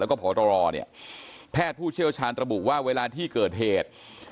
แล้วก็ผอตรเนี่ยแพทย์ผู้เชี่ยวชาญระบุว่าเวลาที่เกิดเหตุ